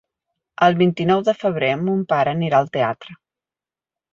El vint-i-nou de febrer mon pare anirà al teatre.